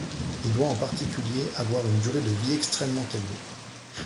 Il doit en particulier avoir une durée de vie extrêmement élevée.